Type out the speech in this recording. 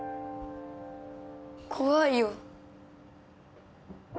怖いよ。